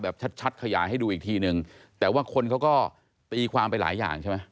ชัดชัดขยายให้ดูอีกทีนึงแต่ว่าคนเขาก็ตีความไปหลายอย่างใช่ไหม